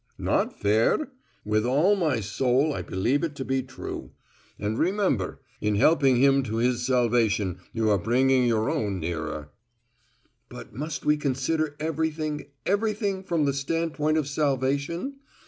"Not fair? With all my soul I believe it to be true. And, remember, in helping him to his salvation you are bringing your own nearer." "But must we consider everything, everything from the standpoint of salvation?